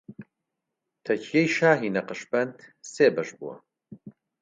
تەکیەی شاهی نەقشبەند سێ بەش بووە